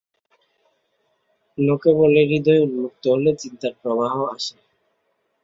লোকে বলে হৃদয় উন্মুক্ত হলে চিন্তার প্রবাহ আসে।